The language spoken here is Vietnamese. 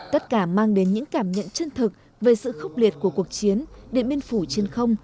tất cả mang đến những cảm nhận chân thực về sự khốc liệt của cuộc chiến điện biên phủ trên không